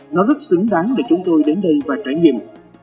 nó rất xứng đáng để chúng tôi đến đây và trải nghiệm